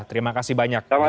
terima kasih banyak mas susirwan